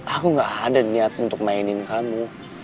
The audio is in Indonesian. aku gak ada niat untuk mainin kamu